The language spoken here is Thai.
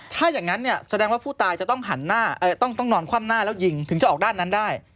ถ้าอย่างนั้นเนี่ยแสดงว่าผู้ตายจะต้องหันหน้าต้องนอนคว่ำหน้าแล้วยิงถึงจะออกด้านนั้นได้